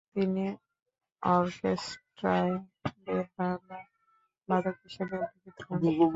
তিনি অর্কেস্ট্রায় বেহালাবাদক হিসেবে উল্লিখিত হন।